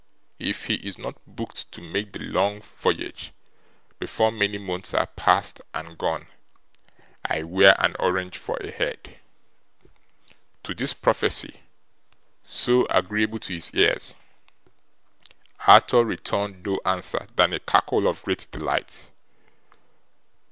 If he is not booked to make the long voyage before many months are past and gone, I wear an orange for a head!' To this prophecy, so agreeable to his ears, Arthur returned no answer than a cackle of great delight.